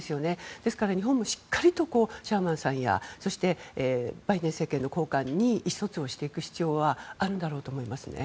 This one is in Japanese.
ですから、日本もしっかりとシャーマンさんやそしてバイデン政権の高官に意思疎通をしていく必要はあるんだと思います。